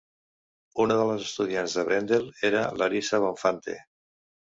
Una de les estudiants de Brendel era Larissa Bonfante.